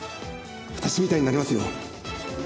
私みたいになりますよ。